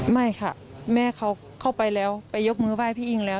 ไม่ค่ะแม่เขาเข้าไปแล้วไปยกมือไห้พี่อิงแล้ว